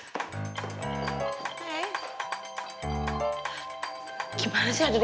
itu selesai ditempat sakit nih gagal nulu